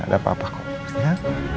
kamu gak usah khawatir ya